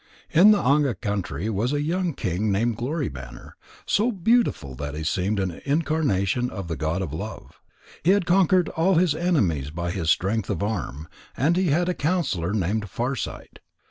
In the Anga country was a young king named Glory banner, so beautiful that he seemed an incarnation of the god of love. He had conquered all his enemies by his strength of arm, and he had a counsellor named Farsight.